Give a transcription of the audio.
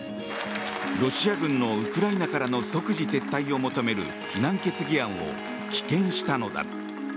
ロシア軍のウクライナからの即時撤退を求める非難決議案を棄権したのだ。